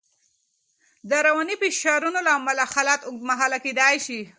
د رواني فشارونو له امله حالت اوږدمهاله کېدای شي.